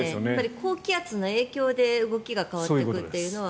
高気圧の影響で動きが変わっていくというのは。